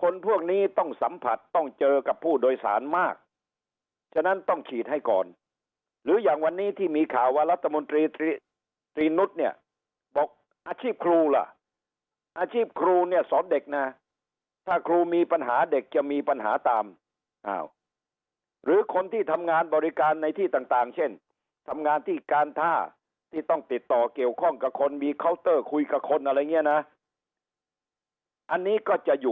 คนพวกนี้ต้องสัมผัสต้องเจอกับผู้โดยสารมากฉะนั้นต้องฉีดให้ก่อนหรืออย่างวันนี้ที่มีข่าวว่ารัฐมนตรีตรีนุษย์เนี่ยบอกอาชีพครูล่ะอาชีพครูเนี่ยสอนเด็กนะถ้าครูมีปัญหาเด็กจะมีปัญหาตามอ้าวหรือคนที่ทำงานบริการในที่ต่างเช่นทำงานที่การท่าที่ต้องติดต่อเกี่ยวข้องกับคนมีเคาน์เตอร์คุยกับคนอะไรอย่างเงี้ยนะอันนี้ก็จะอยู่